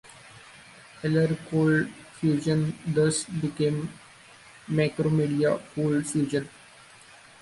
Allaire Cold Fusion thus became Macromedia Cold Fusion.